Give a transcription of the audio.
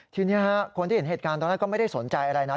ทีนี้คนที่เห็นเหตุการณ์ตอนแรกก็ไม่ได้สนใจอะไรนะ